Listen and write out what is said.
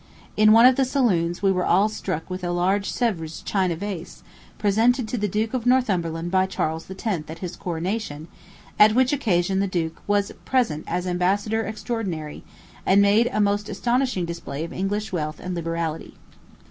In one of the saloons we were all struck with a large Sevres china vase, presented to the Duke of Northumberland by Charles X., at his coronation, at which occasion the duke was present as ambassador extraordinary, and made a most astonishing display of English wealth and liberality.